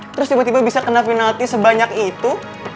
terus tiba tiba bisa kena penalti sebanyak itu